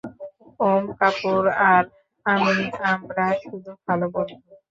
ওম কাপুর আর আমি, আমরা শুধু ভাল বন্ধু।